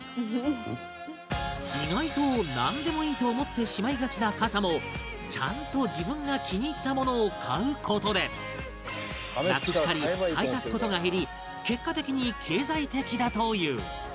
意外となんでもいいと思ってしまいがちな傘もちゃんと自分が気に入ったものを買う事でなくしたり買い足す事が減り結果的に経済的だという